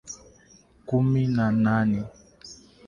Kumi na nne